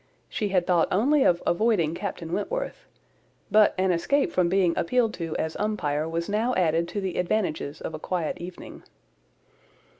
She had thought only of avoiding Captain Wentworth; but an escape from being appealed to as umpire was now added to the advantages of a quiet evening.